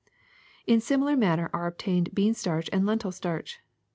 In simi lar manner are obtained bean starch and lentil starch.